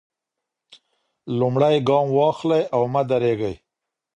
لومړی ګام واخلئ او مه درېږئ.